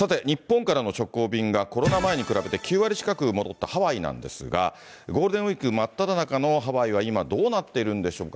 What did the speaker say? さて、日本からの直行便がコロナ前に比べて９割近く戻ったハワイなんですが、ゴールデンウィーク真っ只中のハワイは今、どうなっているんでしょうか。